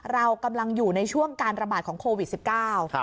เรากำลังอยู่ในช่วงการระบาดของโควิดสิบเก้า